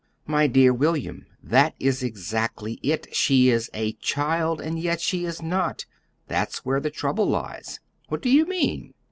"My dear William, that is exactly it she is a child, and yet she is not. That's where the trouble lies." "What do you mean?"